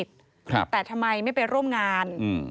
แต่ทำไมไม่ไปร่วมงาน